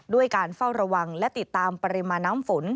ด้วยการเฝ้าระวังและติดตามปริมาณน้ำฝน